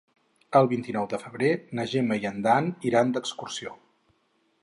El vint-i-nou de febrer na Gemma i en Dan iran d'excursió.